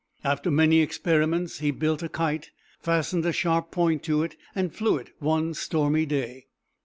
After many experiments, he built a kite, fastened a sharp point to it, and flew it one stormy day.